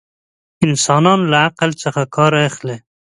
انسانان له عقل څخه ڪار اخلي.